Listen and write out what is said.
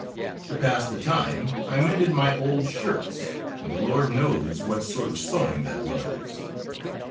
To pass the time I mended my old shirts, and the Lord knows what sort of sewing that was!